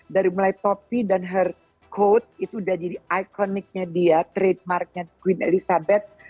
dari mulai topi dan her coat itu udah jadi iconicnya dia trademarknya queen elizabeth